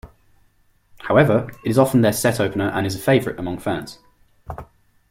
However, it is often their set opener and is a favorite among fans.